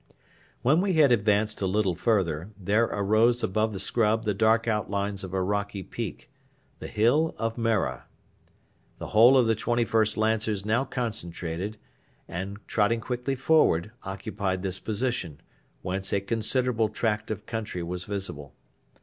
When we had advanced a little further, there arose above the scrub the dark outlines of a rocky peak, the hill of Merreh. The whole of the 21st Lancers now concentrated, and, trotting quickly forward, occupied this position, whence a considerable tract of country was visible.